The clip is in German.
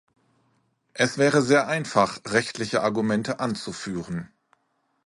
Es wäre sehr einfach, rechtliche Argumente anzuführen.